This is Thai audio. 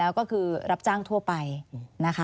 อันดับ๖๓๕จัดใช้วิจิตร